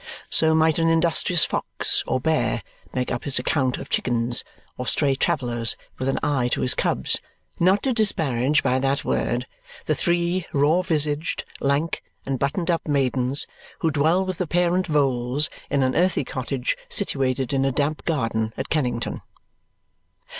So might an industrious fox or bear make up his account of chickens or stray travellers with an eye to his cubs, not to disparage by that word the three raw visaged, lank, and buttoned up maidens who dwell with the parent Vholes in an earthy cottage situated in a damp garden at Kennington.